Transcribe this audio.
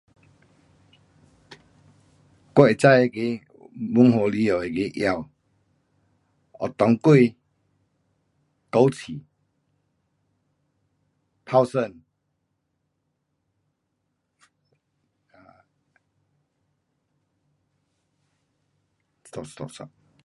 我会知那个蒙古里内的药，有当归，枸杞，泡参，stop stop stop